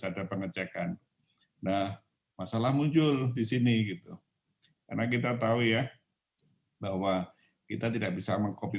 ada pengecekan nah masalah muncul disini gitu karena kita tahu ya bahwa kita tidak bisa meng copy